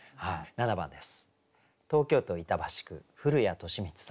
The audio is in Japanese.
７番です。